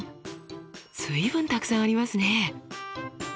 随分たくさんありますね。